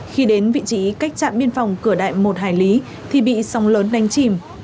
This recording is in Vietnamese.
khi đến vị trí cách trạm biên phòng cửa đại một hải lý thì bị sóng lớn đánh chìm